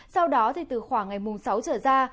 sau đó từ khoảng ngày mùng sáu trở ra